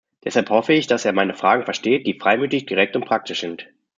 Deshalb hoffe ich, dass er meine Fragen versteht, die freimütig, direkt und praktisch sind.